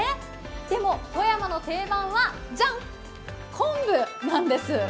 でも、富山の定番はジャン、昆布なんです。